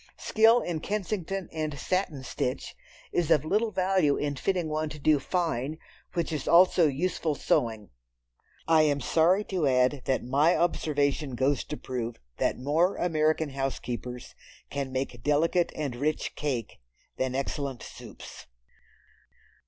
Skill in Kensington and satin stitch is of little value in fitting one to do "fine," which is also useful sewing. I am sorry to add that my observation goes to prove that more American housekeepers can make delicate and rich cake than excellent soups.